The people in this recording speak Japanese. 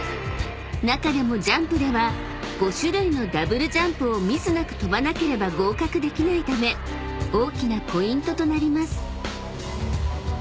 ［中でもジャンプでは５種類のダブルジャンプをミスなく跳ばなければ合格できないため大きなポイントとなります］